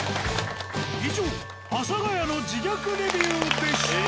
以上阿佐ヶ谷の自虐レビューでした。